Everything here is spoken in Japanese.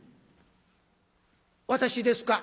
「私ですか？